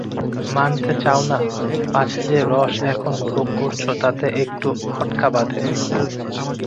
মানতে চাও না, পাছে যে রস এখন ভোগ করছ তাতে একটুও খটকা বাধে।